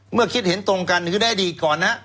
คิดเห็นตรงกันคือในอดีตก่อนนะ